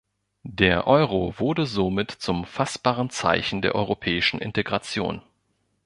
Der Euro wurde somit zum fassbaren Zeichen der europäischen Integration.